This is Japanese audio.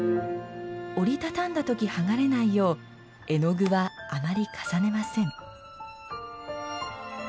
折りたたんだとき剥がれないよう絵の具はあまり重ねません。